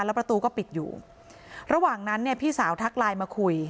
แล้วประตูก็ปิดอยู่ระหว่างนั้นเนี่ยพี่สาวทักไลน์มาคุย